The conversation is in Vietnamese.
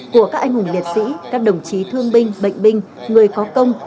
của các anh hùng liệt sĩ các đồng chí thương binh bệnh binh người có công